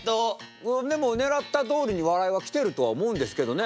でもねらったとおりに笑いは来てるとは思うんですけどね。